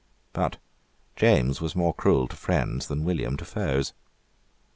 But James was more cruel to friends than William to foes.